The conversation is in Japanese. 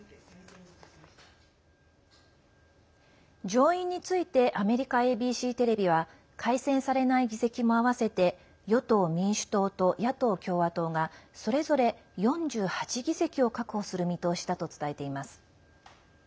上院についてアメリカＡＢＣテレビは改選されない議席も合わせて与党・民主党と野党・共和党がそれぞれ４８議席を確保する見通しだと伝えています。